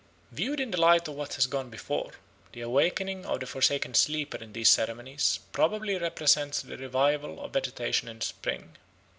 Viewed in the light of what has gone before, the awakening of the forsaken sleeper in these ceremonies probably represents the revival of vegetation in spring.